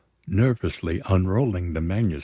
Nervously unrolling the MS.